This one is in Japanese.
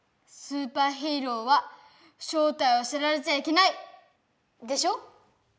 スーパーヒーローは正体を知られちゃいけない！でしょ？